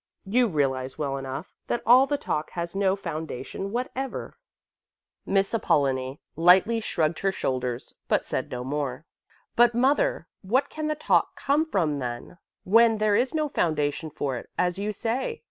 You realize well enough that all the talk has no foundation whatever." Mrs. Apollonie lightly shrugged her shoulders, but said no more. "But, mother, what can the talk come from then, when there is no foundation for it, as you say?"